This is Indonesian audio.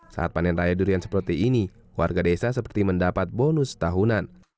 saat panen raya durian seperti ini warga desa seperti mendapat bonus tahunan